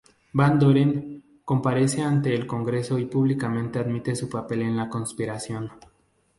Van Doren comparece ante el Congreso y públicamente admite su papel en la conspiración.